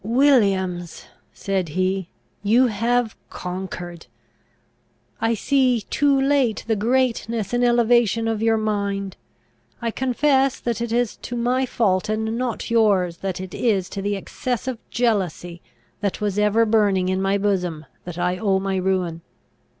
"Williams," said he, "you have conquered! I see too late the greatness and elevation of your mind. I confess that it is to my fault and not yours, that it is to the excess of jealousy that was ever burning in my bosom, that I owe my ruin.